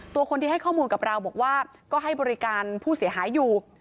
ตัวคนที่ให้ข้อมูลกับเราบอกว่าก็ให้บริการผู้เสียหายอยู่